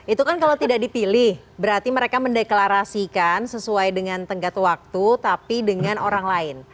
itu kan kalau tidak dipilih berarti mereka mendeklarasikan sesuai dengan tenggat waktu tapi dengan orang lain